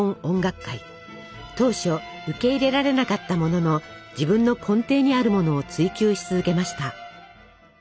当初受け入れられなかったものの自分の根底にあるものを追求し続けました。